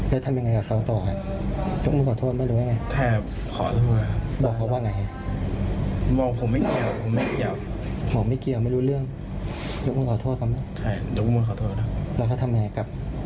ฟันขนาดเรายกมือไหวเลยครับ